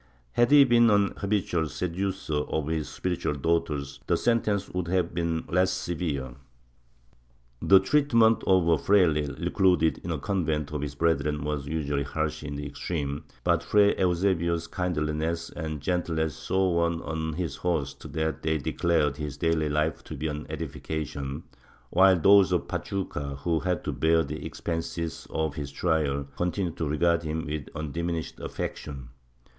Had he been an habitual seducer of his spiritual daughters, the sentence would have been less severe. The treatment of a fraile recluded in a convent of his brethren was usually harsh in the extreme, but Fray Eusebio's kindliness and gentleness so won on his hosts that they declared his daily life to be an edification, while those of Pachuca, who had to bear the expenses of his trial, continued to regard him with undimin ished affection.